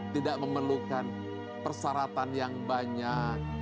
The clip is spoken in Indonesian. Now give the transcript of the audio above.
tidak memerlukan persyaratan yang banyak